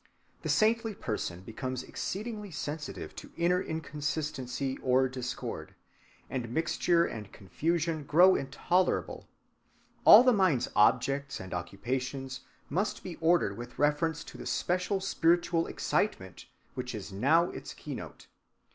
The saintly person becomes exceedingly sensitive to inner inconsistency or discord, and mixture and confusion grow intolerable. All the mind's objects and occupations must be ordered with reference to the special spiritual excitement which is now its keynote.